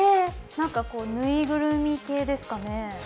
ぬいぐるみ系ですかね？